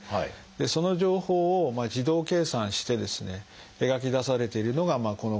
その情報を自動計算してですね描き出されているのがこの画像で。